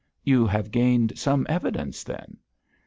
'You have gained some evidence, then?'